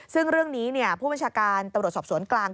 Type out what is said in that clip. ซึ่งเรื่องนี้ผู้บัญชาการตำรวจสอบสวนกลาง